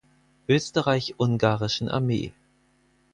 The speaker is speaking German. Österreichisch-Ungarischen Armee.